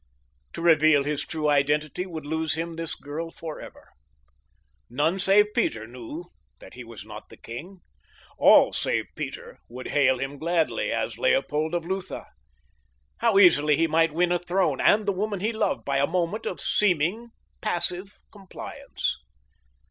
To reveal his true identity would lose him this girl forever. None save Peter knew that he was not the king. All save Peter would hail him gladly as Leopold of Lutha. How easily he might win a throne and the woman he loved by a moment of seeming passive compliance.